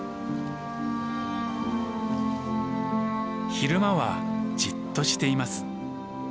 昼間はじっとしています。